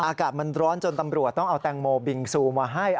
อากาศมันร้อนจนตำรวจต้องเอาแตงโมบิงซูมาให้